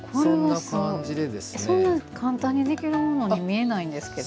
そんな簡単にできるものに見えないんですけど。